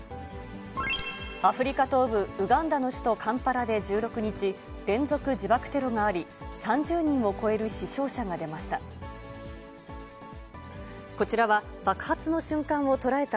アフリカ東部ウガンダの首都カンパラで１６日、連続自爆テロがあり、３０人を超える死傷者が出ました。